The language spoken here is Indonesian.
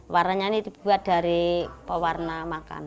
warnanya ini dibuat dari pewarna makan